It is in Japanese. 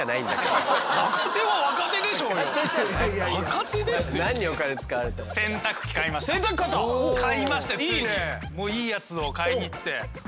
もういいやつを買いに行って。